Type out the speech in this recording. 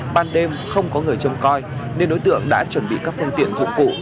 ban đêm không có người châm coi nên đối tượng đã chuẩn bị các phương tiện dụng cụ